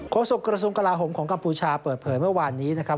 โศกระทรวงกลาโหมของกัมพูชาเปิดเผยเมื่อวานนี้นะครับ